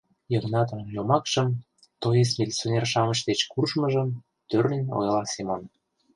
— Йыгнатын йомакшым... тоес милиционер-шамыч деч куржмыжым, — тӧрлен ойла Семон.